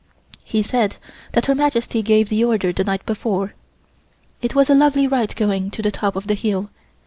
He said that Her Majesty gave the order the night before. It was a lovely ride going to the top of the hill.